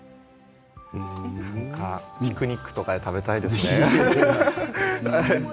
ピクニックとかで食べたいですね。